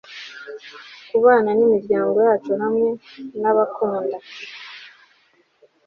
kubana nimiryango yacu hamwe nabakunda